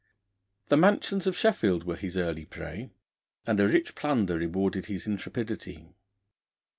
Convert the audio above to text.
The mansions of Sheffield were his early prey, and a rich plunder rewarded his intrepidity.